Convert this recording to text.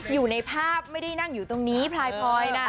อยู่ในภาพไม่ได้นั่งอยู่ตรงนี้พลายพลอยน่ะ